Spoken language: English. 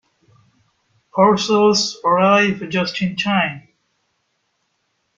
Parcels arrive just in time.